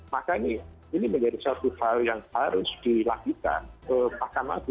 maka ini menjadi satu hal yang harus dilakukan ke mahkamah agung